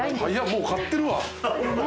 もう買ってるわ。